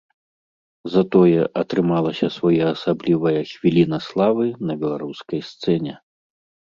Затое атрымалася своеасаблівая хвіліна славы на беларускай сцэне.